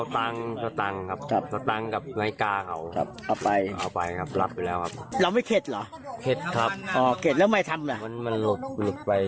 มันลุดตัวนะเดียวแบบลุดตัว